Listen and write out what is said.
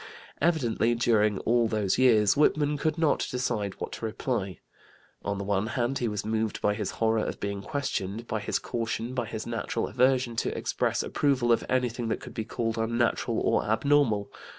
Evidently, during all those years, Whitman could not decide what to reply. On the one hand he was moved by his horror of being questioned, by his caution, by his natural aversion to express approval of anything that could be called unnatural or abnormal.